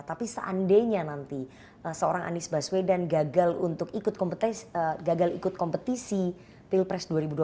tapi seandainya nanti seorang anies baswedan gagal untuk gagal ikut kompetisi pilpres dua ribu dua puluh